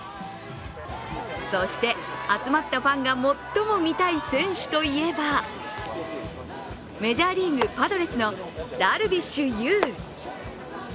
そして、集まったファンが最も見たい選手といえばメジャーリーグ・パドレスのダルビッシュ有。